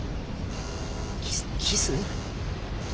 キスキス？